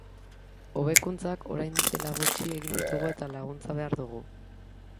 Hobekuntzak orain dela gutxi egin ditugu eta zuen laguntza behar dugu.